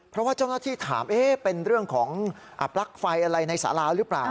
เพราะว่าเจ้าหน้าที่ถามเป็นเรื่องของปลั๊กไฟอะไรในสาราหรือเปล่า